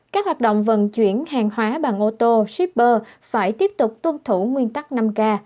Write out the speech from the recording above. các hoạt động vận chuyển hàng hóa bằng ô tô shipper phải tiếp tục tuân thủ nguyên tắc năm k